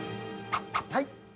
はい！